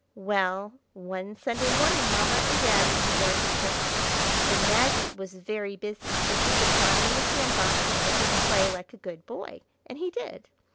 Well! one Sunday morning Mamma and Daddy were going to church, and Maggie was very busy, so she put Johnny in the sand box, and told him to play like a good boy, and he did.